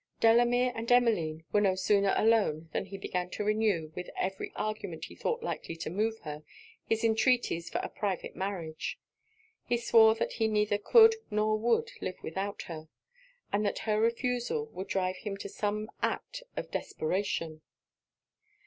Delamere and Emmeline were no sooner alone, than he began to renew, with every argument he thought likely to move her, his entreaties for a private marriage. He swore that he neither could or would live without her, and that her refusal would drive him to some act of desperation.